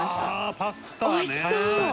パスタね！